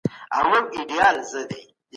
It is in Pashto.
حکومت قونسلي خدمات نه ځنډوي.